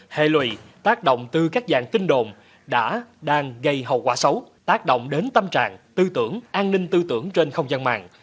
hệ lụy tác động từ các dạng tin đồn đã đang gây hậu quả xấu tác động đến tâm trạng tư tưởng an ninh tư tưởng trên không gian mạng